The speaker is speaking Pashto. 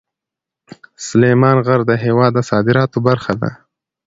سلیمان غر د هېواد د صادراتو برخه ده.